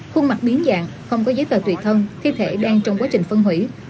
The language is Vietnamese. khuôn mặt biến dạng không có giấy tờ tùy thân thi thể đang trong quá trình phân hủy